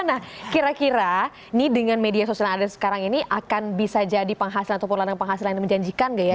nah kira kira nih dengan media sosial yang ada sekarang ini akan bisa jadi penghasilan ataupun ladang penghasilan yang menjanjikan nggak ya